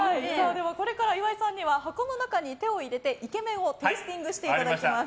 これから岩井さんには箱の中に手を入れてイケメンをテイスティングしていただきます。